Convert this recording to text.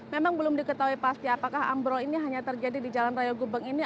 memang belum diketahui pasti apakah ambrol ini hanya terjadi di jalan raya gubeng ini